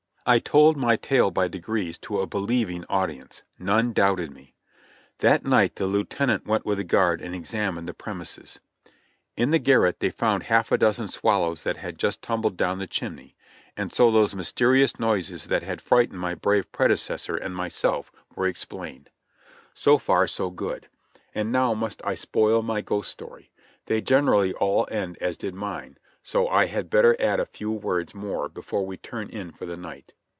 I told my tale by degrees to a believing audience — none doubted me. That night the lieutenant went with a guard and examined the premises. In the garret they found half a dozen swallows that had just tumbled down the chimney, and so those mysterious noises that had frightened my brave predecessor and myself were THE GHOST OE CHANTlLIvY 95 explained. So far so good. And now must I spoil my ghost story — they generally all end as did mine, so I had better add a few words more before we turn in for the night.